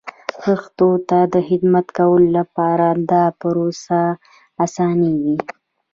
پښتو ته د خدمت کولو لپاره دا پروسه اسانېږي.